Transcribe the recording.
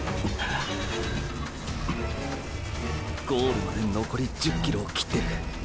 ゴールまでのこり１０ｋｍを切ってる。